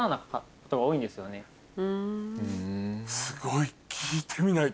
すごい。